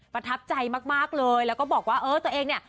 ประทับใจมากเลยแล้วก็บอกว่าเออตัวเองเนี่ย